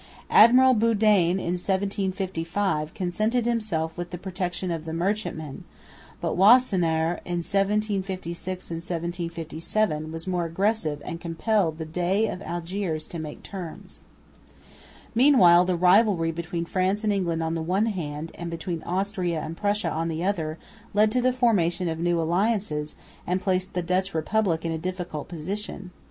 Admiral Boudaen in 1755 contented himself with the protection of the merchantmen, but Wassenaer in 1756 and 1757 was more aggressive and compelled the Dey of Algiers to make terms. Meanwhile the rivalry between France and England on the one hand, and between Austria and Prussia on the other, led to the formation of new alliances, and placed the Dutch Republic in a difficult position.